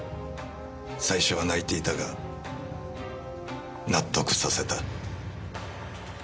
最初は泣いていたが納得させた。